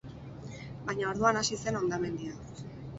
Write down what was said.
Baina orduan hasi zen hondamendia.